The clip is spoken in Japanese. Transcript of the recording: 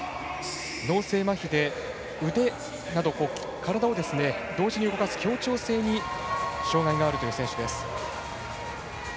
脳性まひで、腕など体を同時に動かす協調性に障がいがあるという選手です。